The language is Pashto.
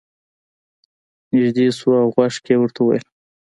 نږدې شو او غوږ کې یې ورته وویل.